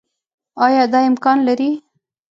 آيا دا امکان لري